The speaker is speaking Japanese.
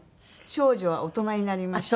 『少女は大人になりました』。